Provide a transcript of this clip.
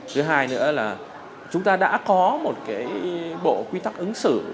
thứ hai nữa là chúng ta đã có một cái bộ quy tắc ứng xử